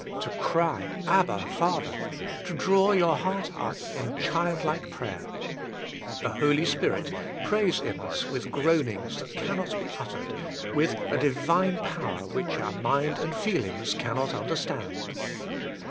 To cry Abba Father, to draw your heart up in child like prayer. The Power of Intercession 163 The Holy Spirit prays in us with groanings that cannot be uttered, with a divine power which our mind and feelings cannot understand.